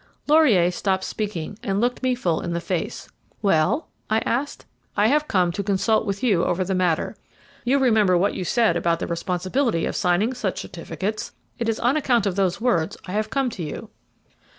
Laurier stopped speaking and looked me full in the face. "Well?" I asked. "I have come to consult with you over the matter. You remember what you said about the responsibility of signing such certificates! It is on account of those words I have come to you."